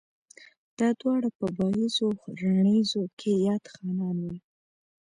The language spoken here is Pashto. دا دواړه پۀ بائيزو او راڼېزو کښې ياد خانان وو